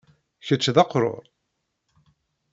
Kečč d aqrur?